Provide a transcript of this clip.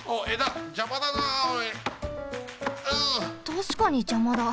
たしかにじゃまだ。